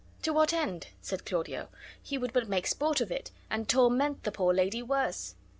"To what end?" said Claudio. "He would but make sport of it, and torment the poor lady worse."